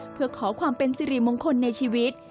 เพื่อขอความเป็นสิริมงคลในชีวิต